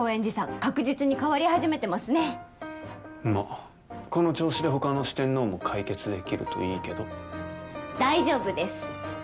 確実に変わり始めてますねまあこの調子でほかの四天王も解決できるといいけど大丈夫です